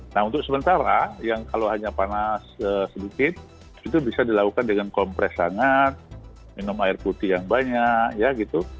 nah untuk sementara yang kalau hanya panas sedikit itu bisa dilakukan dengan kompres sangat minum air putih yang banyak ya gitu